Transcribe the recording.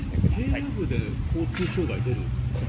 平野部で交通障害、出る？